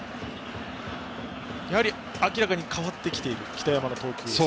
やはり明らかに変わってきている北山の投球がと。